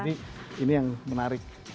jadi ini yang menarik